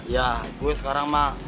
ya gue sekarang mah